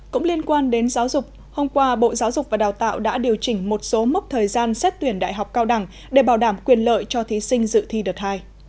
cũng liên quan đến giáo dục hôm qua bộ giáo dục và đào tạo đã điều chỉnh một số mốc thời gian xét tuyển đại học cao đẳng để bảo đảm quyền lợi cho thí sinh dự thi đợt hai